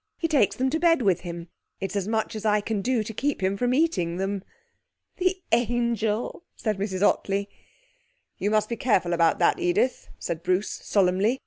He takes them to bed with him. It is as much as I can do to keep him from eating them.' 'The angel!' said Mrs Ottley. 'You must be careful about that, Edith,' said Bruce solemnly.